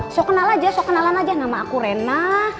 so kenal aja so kenalan aja nama aku rena